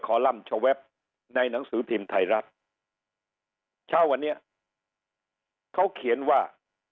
คอลัมชะแวบในหนังสือทีมไทยรัฐเช่าวันเนี้ยเขาเขียนว่า